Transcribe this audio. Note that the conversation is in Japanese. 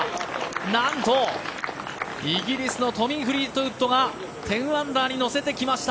なんとイギリスのトミー・フリートウッドが１０アンダーに乗せてきました。